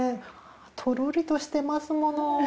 とろりとしてますもの。